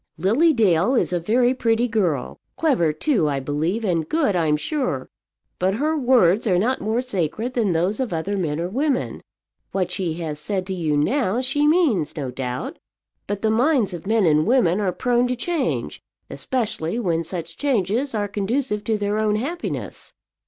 Lily Dale is a very pretty girl; clever, too, I believe, and good, I'm sure; but her words are not more sacred than those of other men or women. What she has said to you now, she means, no doubt; but the minds of men and women are prone to change, especially when such changes are conducive to their own happiness."